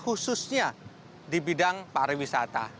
khususnya di bidang pariwisata